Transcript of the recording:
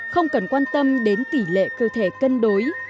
không cần quan tâm đến tỷ lệ cơ thể cân đối